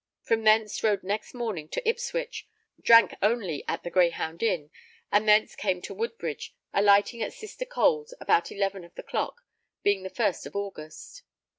From thence rode next morning to Ipswich, drank only at the Greyhound Inn, and thence came to Woodbridge, alighting at sister Cole's about eleven of the clock, being the first of August.